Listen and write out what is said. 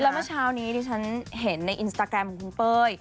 แล้วเมื่อเช้านี้ดิฉันเห็นในอินสตาแกรมของคุณเป้ย